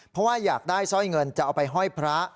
เพราะว่าอยากได้สร้อยเงินจะเอาไปห้อยพระ